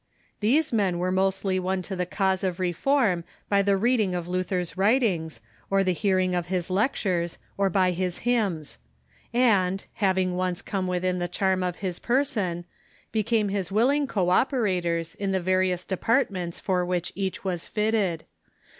These men Avere mostly won to the cause of reform by the reading of Luthei 's writings, or the hearing of his lect lares, or by his hymns ; and, having once come within the charm of his person, became his Avilling co operators in the various departments for Avhich each was fitted.